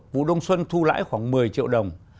vụ đông xuân thu lãi khoảng một mươi triệu đồng